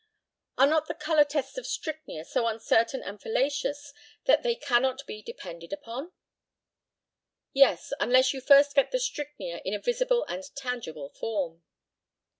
Are not the colour tests of strychnia so uncertain and fallacious that they cannot be depended upon? Yes, unless you first get the strychnia in a visible and tangible form.